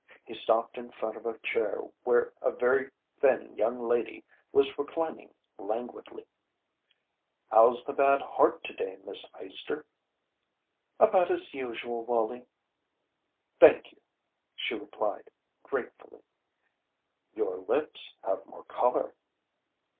He stopped in front of a chair where a very thin young lady was reclining languidly. "How's the bad heart to day, Miss Eyester?" "About as usual, Wallie, thank you," she replied, gratefully. "Your lips have more colour."